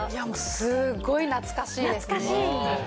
すごい懐かしいです。